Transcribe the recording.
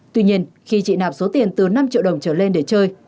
tuy nhiên khi chị nạp số tiền từ năm triệu đồng trở lên để chơi